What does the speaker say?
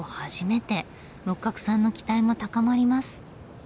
六角さんの期待も高まります。